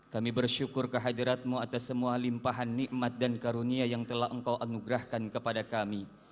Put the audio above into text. kami bersyukur kehadiratmu atas semua limpahan nikmat dan karunia yang telah engkau anugerahkan kepada kami